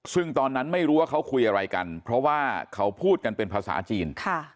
ซึ่งตอนนั้นไม่รู้ว่าเขาคุยอะไรกันเพราะว่าเขาพูดกันเป็นภาษาจีน